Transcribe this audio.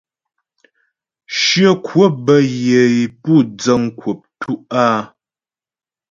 Shyə kwəp bə́ yə é pú dzəŋ kwəp tú' áa.